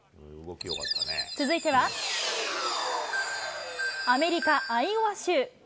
続いては、アメリカ・アイオワ州。